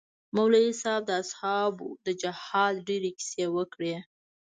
مولوي صاحب د اصحابو د جهاد ډېرې کيسې وکړې.